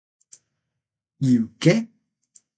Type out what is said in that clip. E o que?